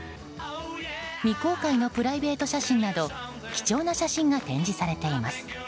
未公開のプライベート写真など貴重な写真が展示されています。